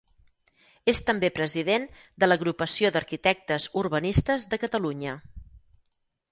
És també president de l’Agrupació d’Arquitectes Urbanistes de Catalunya.